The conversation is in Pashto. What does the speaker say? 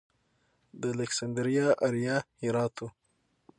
د الکسندریه اریا هرات و